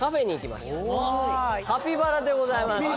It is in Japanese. カピバラでございます。